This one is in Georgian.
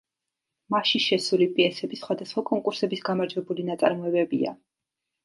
მასში შესული პიესები სხვადასხვა კონკურსების გამარჯვებული ნაწარმოებებია.